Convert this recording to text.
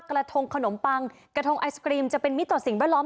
กระทงขนมปังกระทงไอศกรีมจะเป็นมิตรต่อสิ่งแวดล้อม